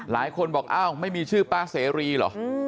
หลายคนบอกอ้าวไม่มีชื่อป้าเสรีเหรอ